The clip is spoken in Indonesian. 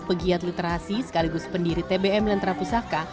pegiat literasi sekaligus pendiri tbm lentra pusaka